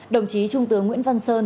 đồng chí trung tướng nguyễn văn sơn